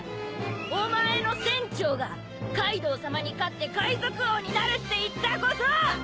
お前の船長がカイドウさまに勝って海賊王になるって言ったこと！